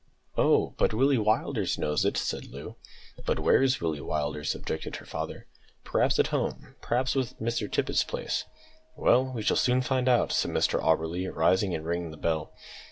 "Oh, but Willie Willders knows it," said Loo. "But where is Willie Willders?" objected her father. "Perhaps at home; perhaps at Mr Tippet's place." "Well, we shall soon find out," said Mr Auberly, rising and ringing the bell.